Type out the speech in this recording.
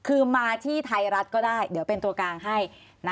คือมาที่ไทยรัฐก็ได้เดี๋ยวเป็นตัวกลางให้